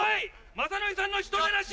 雅紀さんの人でなし！